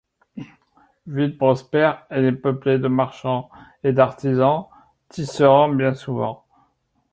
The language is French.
Ville prospère, elle est peuplée de marchands et d'artisans, tisserands bien souvent.